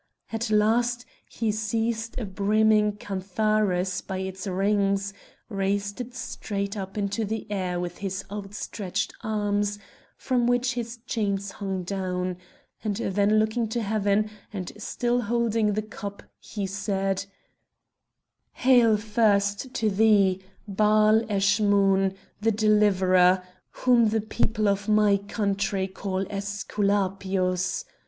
At last he seized a brimming cantharus by its rings, raised it straight up into the air with his outstretched arms, from which his chains hung down, and then looking to heaven, and still holding the cup he said: "Hail first to thee, Baal Eschmoun, the deliverer, whom the people of my country call Æsculapius!